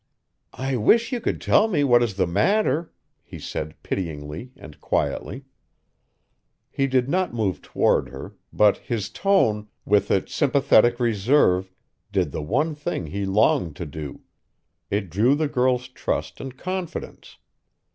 "I wish you could tell me what is the matter," he said pityingly and quietly. He did not move toward her, but his tone, with its sympathetic reserve, did the one thing he longed to do; it drew the girl's trust and confidence.